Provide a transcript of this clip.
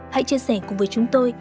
hãy chia sẻ cùng với chúng tôi